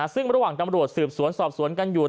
ซึ่งระหว่างตำรวจสืบสวนสอบสวนกันอยู่